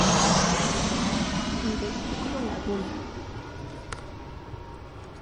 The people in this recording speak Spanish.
Vestíbulo Laguna